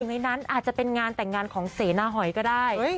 ในนั้นอาจจะเป็นงานแต่งงานของเสนาหอยก็ได้